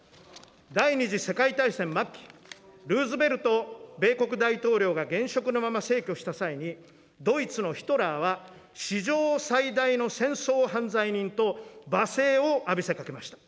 第２次世界大戦末期、ルーズベルト米国大統領が現職のまま逝去した際に、ドイツのヒトラーは、史上最大の戦争犯罪人と罵声を浴びせかけました。